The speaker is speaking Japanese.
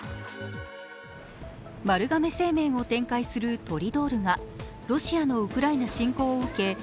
丸亀製麺を展開するトリドールが、ロシアのウクライナ侵攻を受け